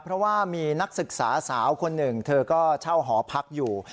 เพราะว่ามีนักศึกษาสาวคนหนึ่งเธอก็เช่าหอพักอยู่